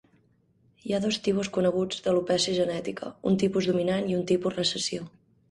Hi ha dos tipus coneguts d'alopècia genètica, un tipus dominant i un tipus recessiu.